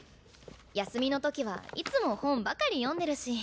休みの時はいつも本ばかり読んでるし。